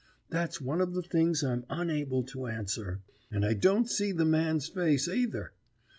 That's one of the things I'm unable to answer. And I don't see the man's face, either.